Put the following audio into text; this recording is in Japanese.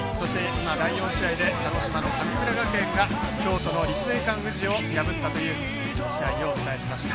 今、第４試合で鹿児島の神村学園が京都の立命館宇治を破ったという試合をお伝えしました。